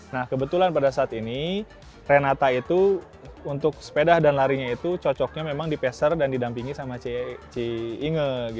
nah kebetulan pada saat ini renata itu untuk sepeda dan larinya itu cocoknya memang dipeser dan didampingi sama ci inge